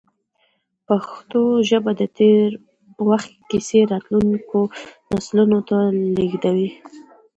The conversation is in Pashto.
پښتو ژبه د تېر وخت کیسې راتلونکو نسلونو ته لېږدوي.